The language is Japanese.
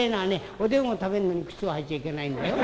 おでんを食べるのに靴を履いちゃいけないんだよ。